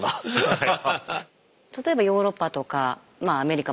はい。